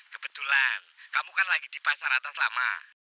kebetulan kamu kan lagi di pasar atas lama